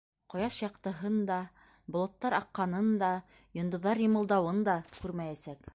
Ҡояш яҡтыһын да, болоттар аҡҡанын да, йондоҙҙар йымылдауын да күрмәйәсәк.